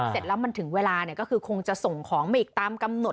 เสร็จแล้วมันถึงเวลาก็คือคงจะส่งของมาอีกตามกำหนด